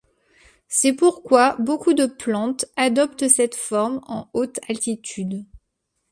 C’est pourquoi beaucoup de plantes adoptent cette forme en haute altitude.